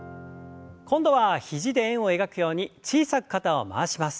今度は肘で円を描くように小さく肩を回します。